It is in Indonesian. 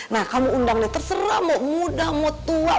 nah kamu undang nih terserah mau muda mau tua